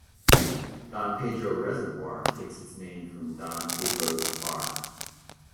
Don Pedro Reservoir takes its name from Don Pedros Bar.